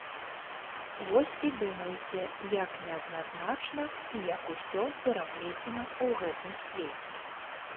Вось і думайце, як неадназначна і як усё пераплецена ў гэтым свеце!